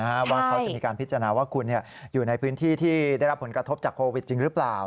ว่าเขาจะมีการพิจารณาว่าคุณอยู่ในพื้นที่ที่ได้รับผลกระทบจากโควิดจริงหรือเปล่า